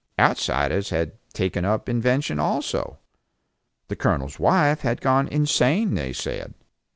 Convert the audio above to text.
Outsiders had taken up invention also. The Colonel's wife had gone insane, they said.